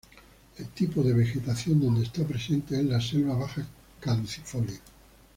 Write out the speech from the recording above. El tipo de vegetación donde está presente es la selva baja caducifolia.